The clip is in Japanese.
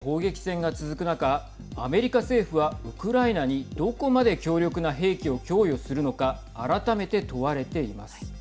ウクライナ東部で激しい砲撃戦が続く中アメリカ政府は、ウクライナにどこまで強力な兵器を供与するのか改めて問われています。